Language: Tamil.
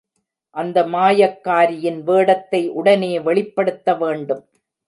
அந்த மாயக்காரியின் வேடத்தை உடனே வெளிப்படுத்த வேண்டும்.